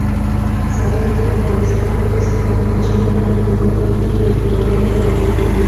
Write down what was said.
رسوب د افغانستان په ستراتیژیک اهمیت کې یو پیاوړی رول لري.